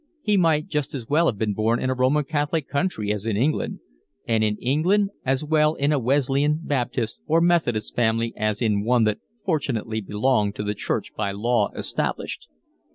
He might just as well have been born in a Roman Catholic country as in England; and in England as well in a Wesleyan, Baptist, or Methodist family as in one that fortunately belonged to the church by law established.